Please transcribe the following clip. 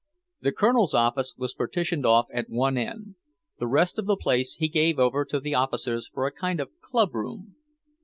The Colonel's office was partitioned off at one end; the rest of the place he gave over to the officers for a kind of club room.